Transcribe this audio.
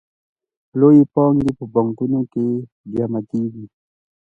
لویې پانګې په بانکونو کې جمع کېږي